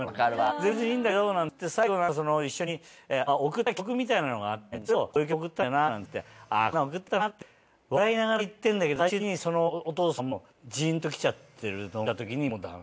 全然別にいいんだけどなんつって最後なんか一緒に送った曲みたいなのがあってそれをこういう曲送ったんだよななんつってあぁこんなの送ってたなって笑いながら言ってるんだけど最終的にそのお父さんもジーンときちゃってるのを見たときにもうダメ。